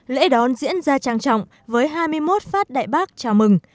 lễ đón diễn ra trang trọng với hai mươi một phát đại bác chào mừng